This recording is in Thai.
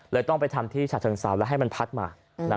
เลยต้องไปทำที่ชาติธรรม๓และให้มันพัดมา